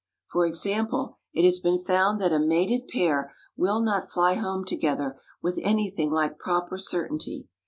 For example, it has been found that a mated pair will not fly home together with anything like proper certainty.